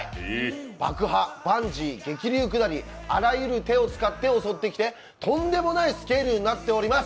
爆破、バンジー、激流下り、あらゆる手を使って襲ってきてとんでもないスケールになっております。